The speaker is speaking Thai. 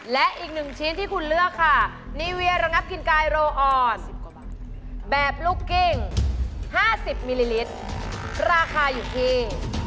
แบบลูกกิ้ง๕๐มิลลิลิตรราคาอยู่ที่